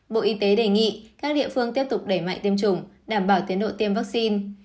bộ y tế đề nghị các địa phương tiếp tục đẩy mạnh tiêm chủng đảm bảo tiến độ tiêm vaccine